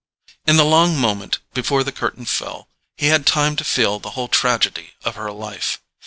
In the long moment before the curtain fell, he had time to feel the whole tragedy of her life.